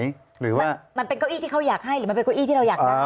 หรือว่ามันเป็นเก้าอี้ที่เขาอยากให้หรือมันเป็นเก้าอี้ที่เราอยากได้